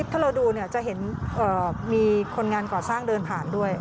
ถ้าเราดูจะเห็นมีคนงานก่อสร้างเดินผ่านด้วย